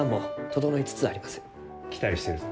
期待してるぞ。